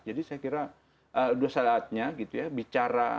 jadi saya kira dua saatnya gitu ya